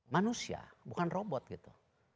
manusia bukan robot gitu